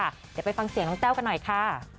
เดี๋ยวไปฟังเสียงน้องแต้วกันหน่อยค่ะ